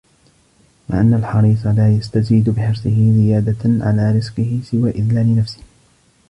مَعَ أَنَّ الْحَرِيصَ لَا يَسْتَزِيدُ بِحِرْصِهِ زِيَادَةً عَلَى رِزْقِهِ سِوَى إذْلَالِ نَفْسِهِ